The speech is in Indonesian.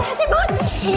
nggak sih bos